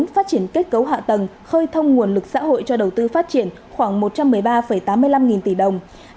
phát triển kết cấu hạ tầng khơi thông nguồn lực xã hội cho đầu tư phát triển khoảng một trăm một mươi ba tám mươi năm nghìn tỷ đồng